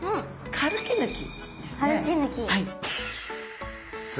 カルキ抜き。